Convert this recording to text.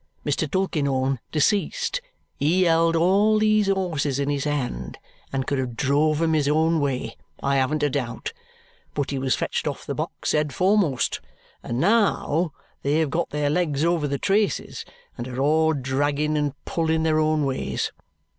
Mr. Tulkinghorn, deceased, he held all these horses in his hand and could have drove 'em his own way, I haven't a doubt; but he was fetched off the box head foremost, and now they have got their legs over the traces, and are all dragging and pulling their own ways.